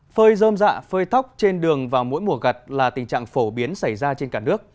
phơi dơm dạ phơi thóc trên đường vào mỗi mùa gặt là tình trạng phổ biến xảy ra trên cả nước